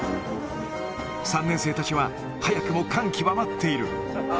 ３年生たちは、早くも感極まっている。